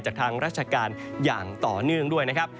จากทางราชการอย่างต่อเนื่องด้วยนะครับ